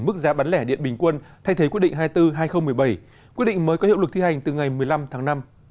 mức giá bán lẻ điện bình quân thay thế quyết định hai mươi bốn hai nghìn một mươi bảy quyết định mới có hiệu lực thi hành từ ngày một mươi năm tháng năm